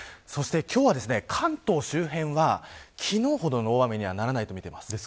そして今日は、関東周辺は昨日ほどの大雨にはならないとみています。